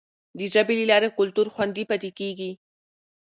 د ژبي له لارې کلتور خوندي پاتې کیږي.